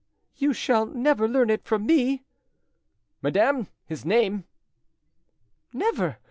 "You shall never learn it from me!" "Madame, his name?" "Never!